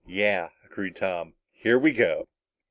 "Yeah," agreed Tom. "Here we go!"